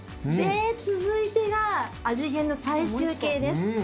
で続いてが味変の最終形です。